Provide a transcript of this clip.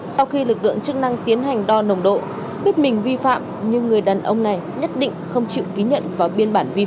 sau khi lực lượng chức năng tiến hành đo nồng độ biết mình vi phạm nhưng người đàn ông này nhất định không chịu ký nhận vào biên bản vi phạm